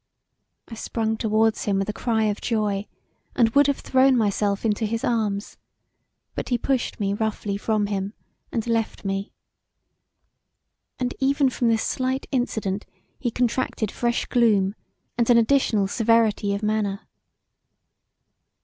I sprung towards him with a cry of joy and would have thrown myself into his arms, but he pushed me roughly from him and left me. And even from this slight incident he contracted fresh gloom and an additional severity of manner.